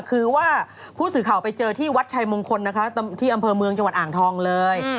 คือว่าผู้สื่อข่าวไปเจอที่วัดชัยมงคลนะคะที่อำเภอเมืองจังหวัดอ่างทองเลย